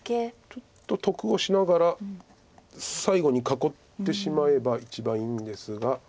ちょっと得をしながら最後に囲ってしまえば一番いいんですが。